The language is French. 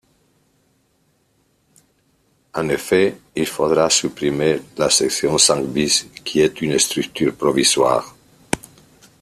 En effet, il faudra supprimer la section cinq bis qui est une structure provisoire.